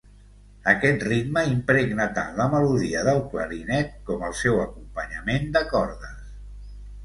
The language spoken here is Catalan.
Aquest ritme impregna tant la melodia del clarinet com el seu acompanyament de cordes.